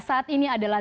saat ini adalah